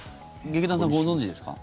劇団さん、ご存じですか？